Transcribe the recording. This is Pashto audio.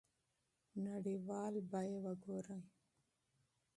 نړیوال قیمتونه وګورئ.